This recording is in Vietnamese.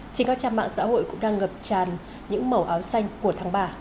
trên các trang mạng xã hội cũng đang ngập tràn những màu áo xanh của tháng ba